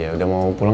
ya udah mau pulang